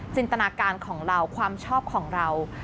ตนาการของเราความชอบของเรา